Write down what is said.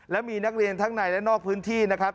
และมีนักเรียนทั้งในและนอกพื้นที่นะครับ